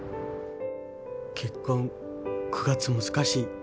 結婚９月難しい。